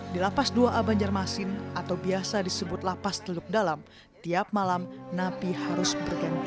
di lapas dua a banjarmasin atau biasa disebut lapas teluk dalam tiap malam napi harus berganti